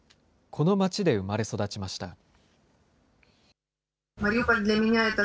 この街で生まれ育ちました。